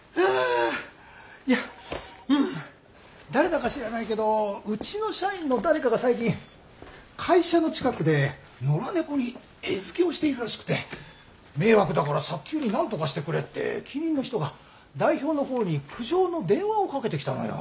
いや誰だか知らないけどうちの社員の誰かが最近会社の近くで野良猫に餌付けをしているらしくて迷惑だから早急になんとかしてくれって近隣の人が代表のほうに苦情の電話をかけてきたのよ。